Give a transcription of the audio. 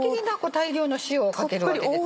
大量の塩をかけるわけですね。